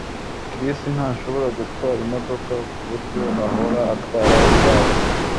Chris ntashobora gutwara imodoka kuburyo ahora atwara igare